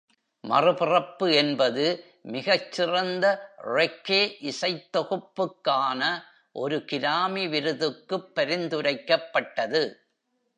"மறுபிறப்பு" என்பது, ‘மிகச்சிறந்த ரெக்கே இசைத்தொகுப்பு'க்கான ஒரு கிராமி விருதுக்குப் பரிந்துரைக்கப்பட்டது.